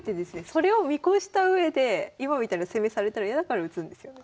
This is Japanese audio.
それを見越したうえで今みたいな攻めされたら嫌だから打つんですよね？